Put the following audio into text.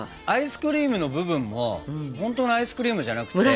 アイスクリームの部分も本当のアイスクリームじゃなくて。